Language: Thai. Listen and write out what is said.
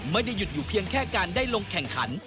ไม่ได้หยุดอยู่เพียงแค่การได้ลงแข่งขัน